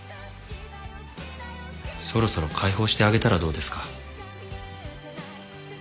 そろそろ解放してあげたらどうですか？